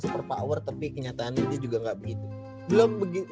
super power tapi kenyataannya juga gak begitu